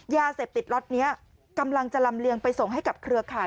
ยาเสพติดล็อตนี้กำลังจะลำเลียงไปส่งให้กับเครือข่าย